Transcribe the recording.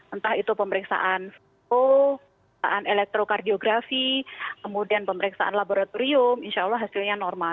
entah itu pemeriksaan foto pemeriksaan elektrokardiografi kemudian pemeriksaan laboratorium insya allah hasilnya normal